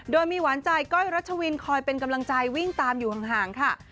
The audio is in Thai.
โดยมีหวานใจก้อยรัชวินคอยเป็นกำลังใจวิ่งตามอยู่ห่างค่ะ